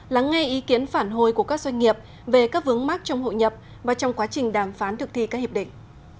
lắng nghe ý kiến phản hồi của các doanh nghiệp về các vướng mắc trong hội nhập và trong quá trình đàm phán thực thi các hiệp định